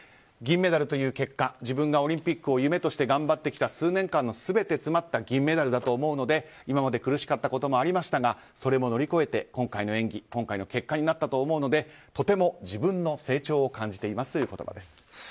銀メダルという結果自分がオリンピックを夢として頑張ってきた数年間の全て詰まった銀メダルだと思うので今まで苦しかったこともありましたがそれも乗り越えて今回の演技、今回の結果になったと思うのでとても自分の成長を感じていますという言葉です。